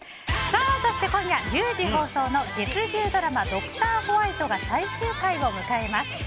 そして、今夜１０時放送の月１０ドラマ「ドクターホワイト」が最終回を迎えます。